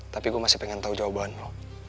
tapi gue masih pengen tahu jawaban lo